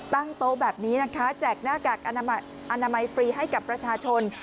โต๊ะแบบนี้นะคะแจกหน้ากากอนามัยฟรีให้กับประชาชน